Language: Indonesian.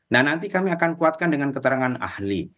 nah nanti kami akan kuatkan dengan keterangan ahli